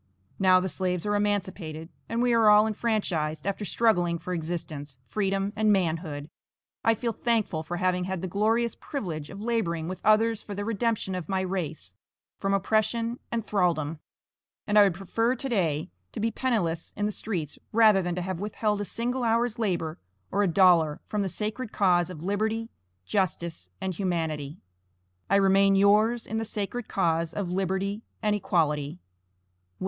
Now the slaves are emancipated, and we are all enfranchised, after struggling for existence, freedom and manhood I feel thankful for having had the glorious privilege of laboring with others for the redemption of my race from oppression and thraldom; and I would prefer to day to be penniless in the streets, rather than to have withheld a single hour's labor or a dollar from the sacred cause of liberty, justice, and humanity. I remain yours in the sacred cause of liberty and equality, WM.